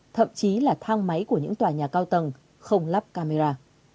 thậm chí là thang máy của những tòa nhà cao tầng không lắp camera